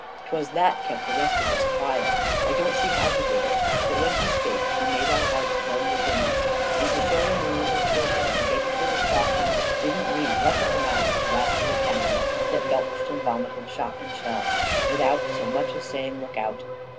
'Twas that kept the rest of us quiet. I don't know how he did it, but when he spoke he made our hearts burn within us; and to show him we were his children, incapable of balking, didn't we rush at the mouths of the rascally cannon, that belched and vomited shot and shell, without so much as saying, 'Look out!'